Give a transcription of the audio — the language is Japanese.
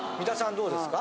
どうですか？